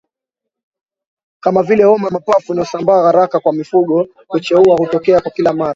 kama vile Homa ya Mapafu inayosambaa haraka kwa mifugo kucheua hutokea kila mara